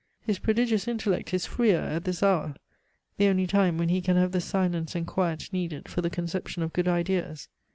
His prodigious intellect is freer at this hour the only time when he can have the silence and quiet needed for the conception of good ideas.